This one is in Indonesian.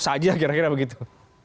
saja kira kira begitu